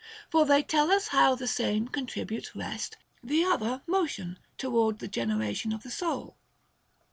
For they tell us how the Same con tributes rest, the Other motion toward the generation of the soul.